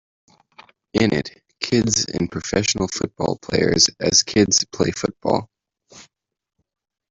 In it, kids and professional football players as kids play football.